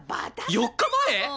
４日前？